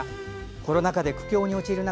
コロナ禍で苦境に陥る中